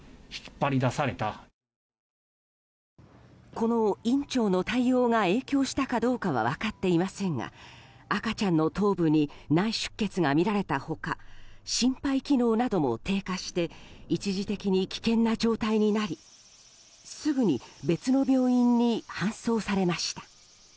この院長の対応が影響したかどうかは分かっていませんが赤ちゃんの頭部に内出血が見られた他心肺機能なども低下して一時的に危険な状態になりすぐに別の病院に搬送されました。